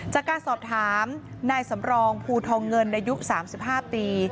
จากการสอบถามนายสำรองภูทองเงินอายุ๓๕ปี